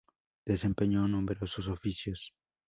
Desempeñó numerosos oficios.